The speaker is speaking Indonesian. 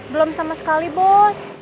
belum sama sekali bos